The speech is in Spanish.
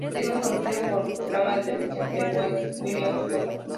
Es más conocida por su programa de televisión, "The Wendy Williams Show".